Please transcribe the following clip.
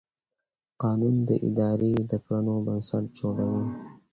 قانون د ادارې د کړنو بنسټ جوړوي.